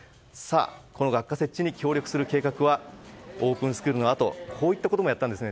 学科設置に協力する計画はオープンスクールのあとこういったこともやったんです。